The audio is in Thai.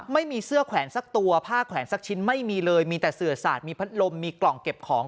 ไม่มีเสื้อแขวนสักตัวผ้าแขวนสักชิ้นไม่มีเลยมีแต่เสือสาดมีพัดลมมีกล่องเก็บของ